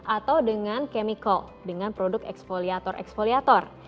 atau dengan chemical dengan produk eksfoliator eksfoliator